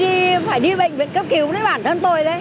để đi phải đi bệnh viện cấp cứu với bản thân tôi đấy